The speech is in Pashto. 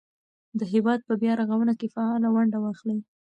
د هېواد په بیا رغونه کې فعاله ونډه واخلئ.